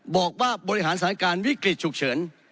บริหารสถานการณ์วิกฤตฉุกเฉิน